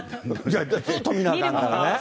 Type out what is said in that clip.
ずっと見なあかんからね。